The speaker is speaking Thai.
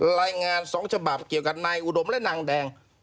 รายงาน๒ฉบับเกี่ยวกับนายอุดมและนางแดง